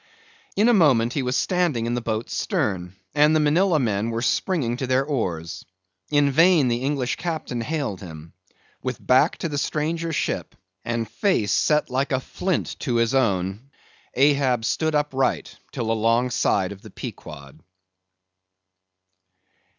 In a moment he was standing in the boat's stern, and the Manilla men were springing to their oars. In vain the English Captain hailed him. With back to the stranger ship, and face set like a flint to his own, Ahab stood upright till alongside of the Pequod.